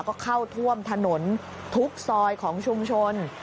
ก็เข้าท่วมถนนทุกซอยของชุมชน